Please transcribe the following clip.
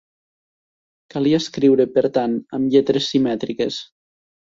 Calia escriure, per tant, amb lletres simètriques.